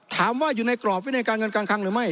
ถามว่าอยู่ในกรอบวินัยการเงินการคังหรือไม่